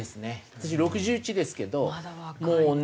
私６１ですけどもうね